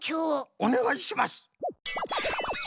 おねがいします！